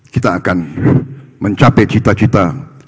kita akan mencapai cita cita